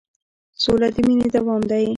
سوله د مینې دوام دی.